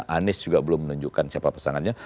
anies juga belum menunjukkan siapa pasangannya